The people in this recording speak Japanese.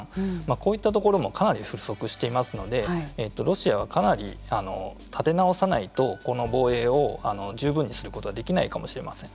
こういったところもかなり不足していますのでロシアはかなり立て直さないとこの防衛を十分にすることはできないかもしれません。